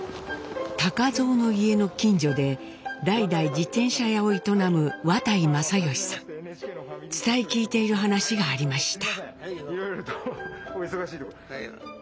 蔵の家の近所で代々自転車屋を営む伝え聞いている話がありました。